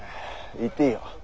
行っていいよ。